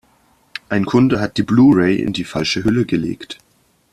Ein Kunde hat die Blu-Ray in die falsche Hülle gelegt.